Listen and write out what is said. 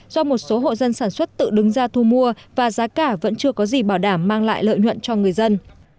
do một số hộ dân sản xuất tự đứng ra thu mua và giá cả vẫn chưa có gì bảo đảm mang lại lợi nhuận cho người dân